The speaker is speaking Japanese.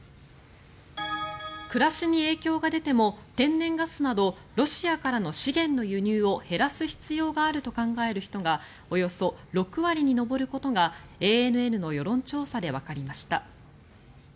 暮らしに影響が出ても天然ガスなどロシアからの資源の輸入を減らす必要があると考える人がおよそ６割に上ることがＡＮＮの世論調査でわかりました。